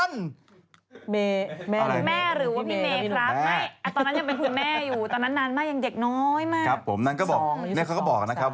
ครับผมนั้นเขาก็บอกครับครับ